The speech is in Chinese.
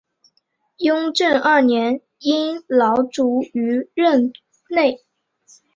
雍正二年因劳卒于任内。